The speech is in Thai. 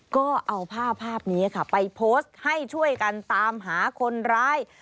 ก็เอาภาพภาพนี้ค่ะไปโพสต์ให้ช่วยกันตามหาคนร้าย